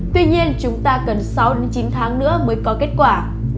tuy nhiên chúng ta cần sáu đến chín tháng nữa mới có kết quả